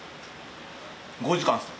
５時間ですね